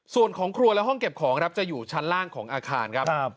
ส่วนของครัวและห้องเก็บของครับจะอยู่ชั้นล่างของอาคารครับ